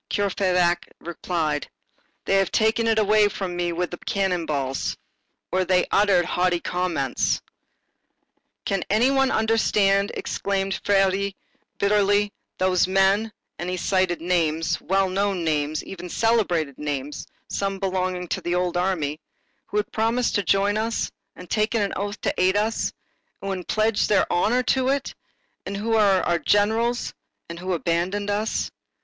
Courfeyrac replied: "They have finally taken it away from me with cannon balls." Or they uttered haughty comments. "Can any one understand," exclaimed Feuilly bitterly, "those men,—[and he cited names, well known names, even celebrated names, some belonging to the old army]—who had promised to join us, and taken an oath to aid us, and who had pledged their honor to it, and who are our generals, and who abandon us!"